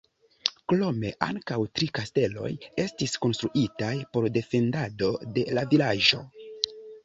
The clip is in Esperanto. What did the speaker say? Krome, ankaŭ tri kasteloj estis konstruitaj por defendado de la vilaĝo.